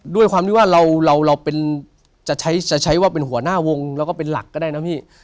ด้วยความที่ว่าเราจะใช้จะใช้ว่าเป็นหัวหน้าวงแล้วก็เป็นหลักก็ได้นะพี่